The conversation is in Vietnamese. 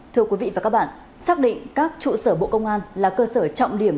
thưa quý vị và các bạn xác định các trụ sở bộ công an là cơ sở trọng điểm